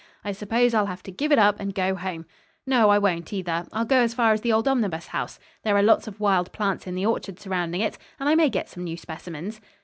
I suppose I'll have to give it up and go home. No, I won't, either. I'll go as far as the old Omnibus House. There are lots of wild plants in the orchard surrounding it, and I may get some new specimens."